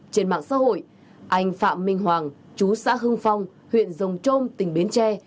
trên mạng xã hội anh phạm minh hoàng chú xã hưng phong huyện rồng trôm tỉnh bến tre